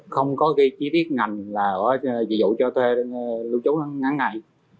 không có chi tiết ngành là cho thuê lưu trú ngắn ngày